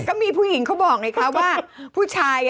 ก็มีผู้หญิงเขาบอกไงคะว่าผู้ชาย